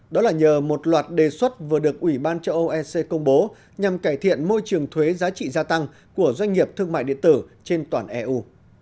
đó là nhờ một loạt đề xuất vừa được ủy ban châu âu ec công bố nhằm cải thiện môi trường thuế giá trị gia tăng của doanh nghiệp thương mại điện tử trên toàn eu